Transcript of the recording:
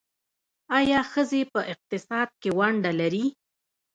آیا ښځې په اقتصاد کې ونډه لري؟